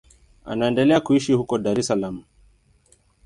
Anaendelea kuishi huko Dar es Salaam.